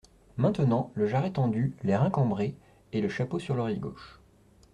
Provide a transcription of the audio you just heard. Maintenant, le jarret tendu, les reins cambrés, et le chapeau sur l’oreille gauche.